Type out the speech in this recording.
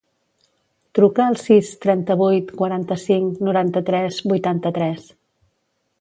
Truca al sis, trenta-vuit, quaranta-cinc, noranta-tres, vuitanta-tres.